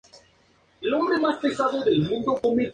La novela acaba con la boda de los amantes.